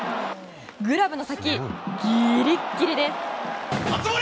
グラブの先、ギリギリです。